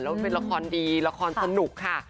แล้วเป็นละครดีละครสนุกค่ะ